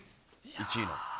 １位の。